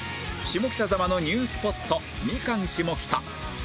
下北沢のニュースポットミカン下北